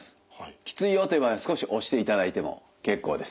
きついよという場合は少し押していただいても結構です。